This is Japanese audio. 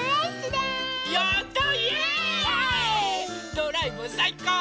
ドライブさいこう！